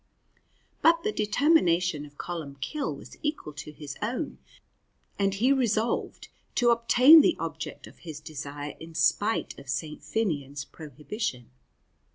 But the determination of Columbcille was equal to his own, and he resolved to obtain the object of his desire in spite of St. Finnian's prohibition.